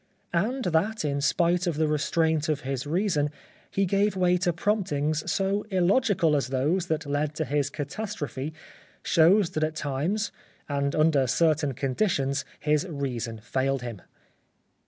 And that, in spite of the restraint of his reason, he gave way to promptings so illogical as those that led to his catastrophe shows that at times, and under certain conditions, his reason failed him.